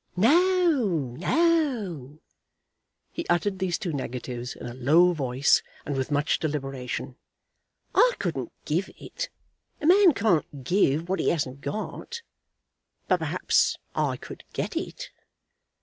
"No ; no " He uttered these two negatives in a low voice, and with much deliberation. "I couldn't give it. A man can't give what he hasn't got; but perhaps I could get it."